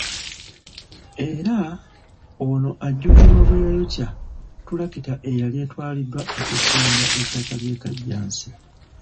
Era ono ajjukirwa bwe yayokya tulakita eyali etwaliddwa okusenda ettaka ly'e Kajjansi.